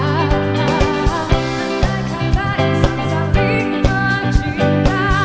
andai kata yang bisa di mencinta